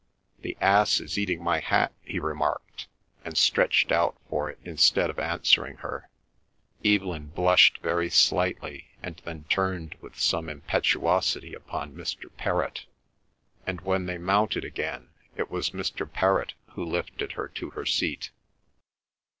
"The ass is eating my hat," he remarked, and stretched out for it instead of answering her. Evelyn blushed very slightly and then turned with some impetuosity upon Mr. Perrott, and when they mounted again it was Mr. Perrott who lifted her to her seat.